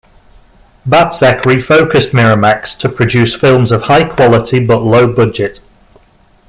Battsek refocused Miramax to produce films of high quality but low budget.